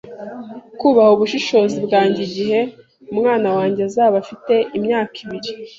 Kubaha ubushishozi bwanjye igihe umwana wanjye azaba afite imyaka ibiri